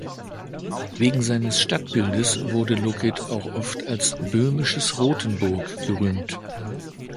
Wegen seines Stadtbildes wurde Loket auch oft als "Böhmisches Rothenburg" gerühmt.